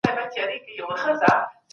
انسان د کایناتو مشر ټاکل سوی دی.